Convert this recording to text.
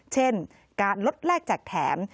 เช่นการลดแลกแจกแถม